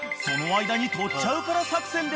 その間に撮っちゃうから作戦！！